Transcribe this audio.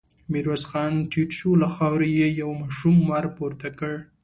ميرويس خان ټيټ شو، له خاورو يې يو ماشوم ور پورته کړ.